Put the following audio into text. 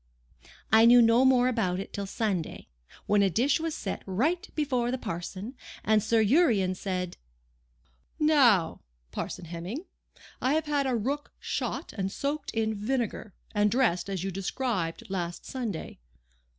I knew no more about it till Sunday, when a dish was set right before the parson, and Sir Urian said: 'Now, Parson Hemming, I have had a rook shot, and soaked in vinegar, and dressed as you described last Sunday.